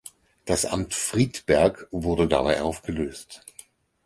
Das „Amt Friedberg“ wurde dabei aufgelöst.